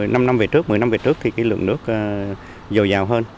năm năm về trước mười năm về trước thì lượng nước dầu dào hơn